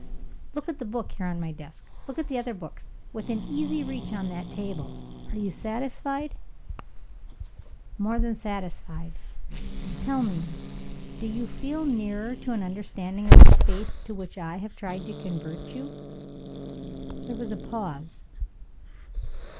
"Look at the book here on my desk look at the other books, within easy reach, on that table are you satisfied?" "More than satisfied. Tell me do you feel nearer to an understanding of the Faith to which I have tried to convert you?" There was a pause.